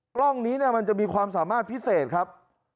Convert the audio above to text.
กล้องนี้มันจะมีความสามารถพิเศษครับ